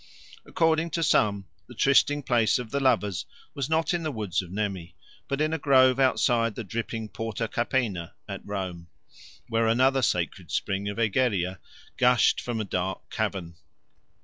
According to some, the trysting place of the lovers was not in the woods of Nemi but in a grove outside the dripping Porta Capena at Rome, where another sacred spring of Egeria gushed from a dark cavern.